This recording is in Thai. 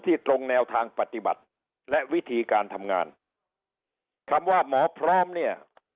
ตรงแนวทางปฏิบัติและวิธีการทำงานคำว่าหมอพร้อมเนี่ย